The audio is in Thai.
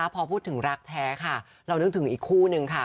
พอพูดถึงรักแท้ค่ะเรานึกถึงอีกคู่นึงค่ะ